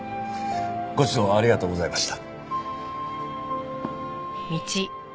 ご指導ありがとうございました。